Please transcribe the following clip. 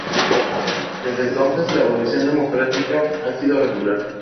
Desde entonces, la evolución demográfica ha sido regular.